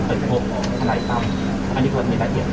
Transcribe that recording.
อันนี้ก็ไม่ได้เห็นความจริงเลยนะครับ